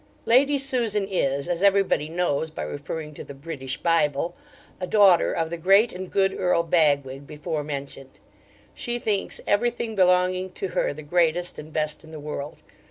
Lady Susan is, as everybody knows by referring to the 'British Bible,' a daughter of the great and good Earl Bagwig before mentioned. She thinks everything belonging to her the greatest and best in the world.